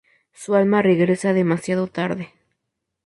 Su alma regresa demasiado tarde.